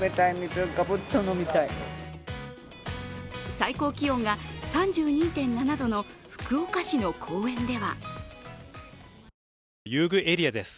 最高気温が３２．７度の福岡市の公園では遊具エリアです。